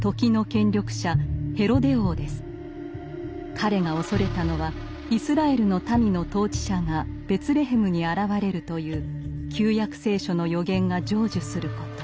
彼が恐れたのはイスラエルの民の統治者がベツレヘムに現れるという「旧約聖書」の預言が成就すること。